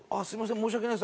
申し訳ないです。